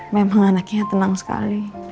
memang anaknya tenang sekali